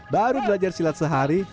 baru belajar silat sehari